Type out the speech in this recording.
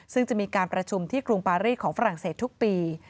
ซึ่งจะมีการประชุมที่กรุงปารีสของฝรั่งเศสทุกปี